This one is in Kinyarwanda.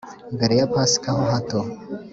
mbere ya pasika ho hato,